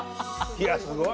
いや、すごい。